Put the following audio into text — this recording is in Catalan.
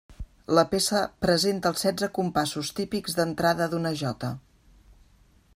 La peça presenta els setze compassos típics d'entrada d'una jota.